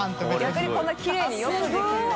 逆にこんなきれいによくできるな。